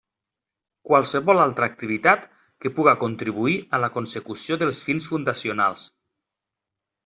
Qualsevol altra activitat que puga contribuir a la consecució dels fins fundacionals.